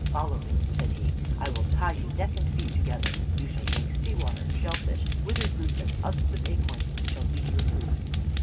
"Follow me," said he, "I will tie you neck and feet together. You shall drink sea water; shell fish, withered roots, and husks of acorns shall be your food."